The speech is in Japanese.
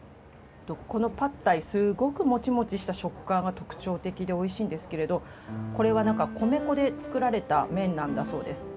このパッタイすごくモチモチした食感が特徴的でおいしいんですけれどこれは米粉で作られた麺なんだそうです。